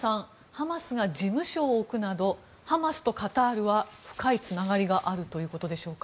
ハマスが事務所を置くなどハマスとカタールは深いつながりがあるということでしょうか？